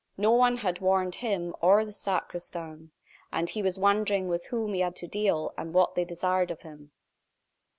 No one had warned him or the sacristan, and he was wondering with whom he had to deal, and what they desired of him.